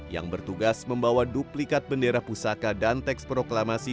yang bertugas membawa duplikat bendera pusaka dan teks proklamasi